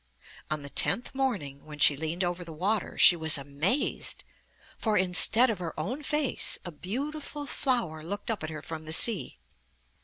On the tenth morning, when she leaned over the water, she was amazed, for instead of her own face, a beautiful flower looked up at her from the sea.